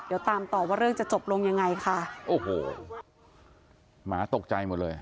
เดี๋ยวตามต่อว่าเรื่องจะจบลงยังไงค่ะโอ้โหหมาตกใจหมดเลย